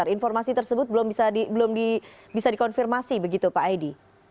informasi tersebut belum bisa dikonfirmasi begitu pak aidi